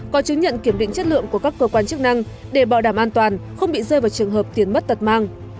có chứng nhận kiểm định chất lượng của các cơ quan chức năng để bảo đảm an toàn không bị rơi vào trường hợp tiền mất tật mang